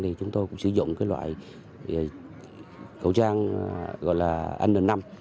thì chúng tôi cũng sử dụng cái loại khẩu trang gọi là n năm